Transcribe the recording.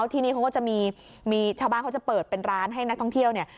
ที่นี่เขาก็จะมีชาวบ้านเขาจะเปิดเป็นร้านให้นักท่องเที่ยวเนี่ย